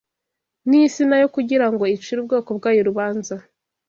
N’isi na yo kugira ngo icire ubwoko bwayo urubanza..